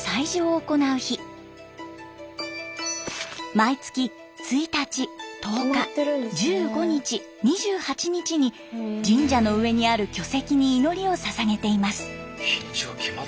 毎月１日１０日１５日２８日に神社の上にある巨石に祈りをささげています。